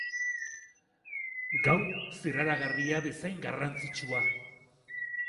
Gau zirraragarria bezain garrantzitsua.